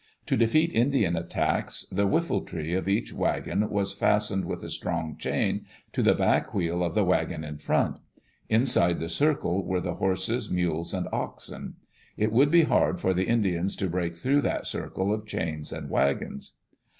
To defeat Indian attacks the whiffletree of each wagon was fastened with a strong chain to the back wheel of die wagon In front Inside the circle were the horses, mules, and oxen. It would be hard for die Indians to break through that circle of chains and wagons.